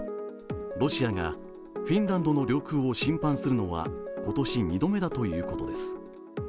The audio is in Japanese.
ロシアがフィンランドの領空を侵犯するのは今年２度目だということです。